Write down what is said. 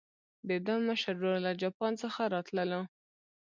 د ده مشر ورور له جاپان څخه راتللو.